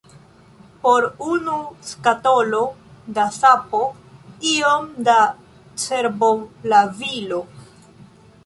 Por unu skatolo da sapo, iom da cerbolavilo.